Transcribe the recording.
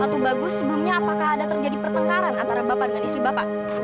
waktu bagus sebelumnya apakah ada terjadi pertengkaran antara bapak dengan istri bapak